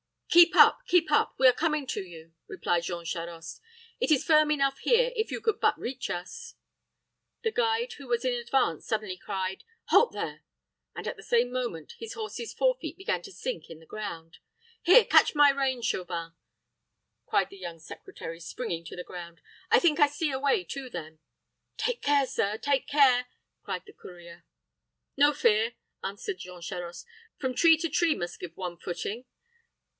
"Keep up, keep up we are coming to you," replied Jean Charost. "It is firm enough here, if you could but reach us." The guide, who was in advance, suddenly cried, "Halt, there!" and, at the same moment, his horse's fore feet began to sink in the ground. "Here, catch my rein, Chauvin," cried the young secretary, springing to the ground; "I think I see a way to them." "Take care, sir take care," cried the courier. "No fear," answered Jean Charost; "from tree to tree must give one footing.